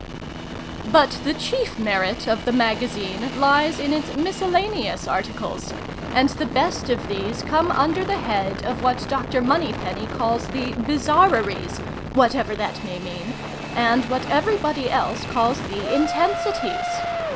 But the chief merit of the Magazine lies in its miscellaneous articles; and the best of these come under the head of what Dr. Moneypenny calls the bizarreries (whatever that may mean) and what everybody else calls the intensities.